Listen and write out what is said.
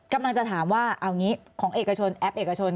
กำลังจะถามว่าเอางี้ของเอกชนแอปเอกชน